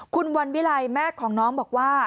คุณวันวิลัยแม่ของน้องบอกว่า